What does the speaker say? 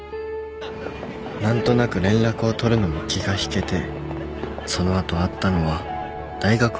何となく連絡を取るのも気がひけてその後会ったのは大学を出てから